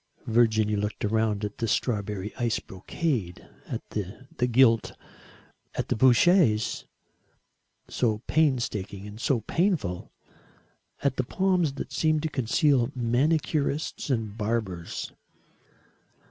Virginia looked round at the strawberry ice brocade, at the gilt, at the Bouchers so painstaking and so painful at the palms that seemed to conceal manicurists and barbers.